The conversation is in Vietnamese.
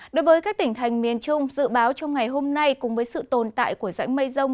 đối với các tỉnh thành miền trung dự báo trong ngày hôm nay cùng với sự tồn tại của dãy mây rông